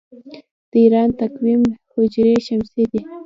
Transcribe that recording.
د ایران تقویم هجري شمسي دی.